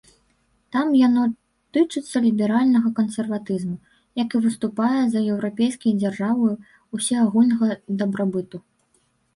Там яно тычыцца ліберальнага кансерватызму, які выступае за еўрапейскія дзяржавы ўсеагульнага дабрабыту.